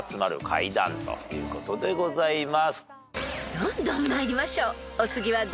［どんどん参りましょうお次は］